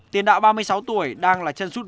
tiền đạo ba mươi sáu tuổi đang là chân sút